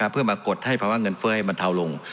เพื่อมากดให้ภาวะเงินเฟ้อมันเทาลง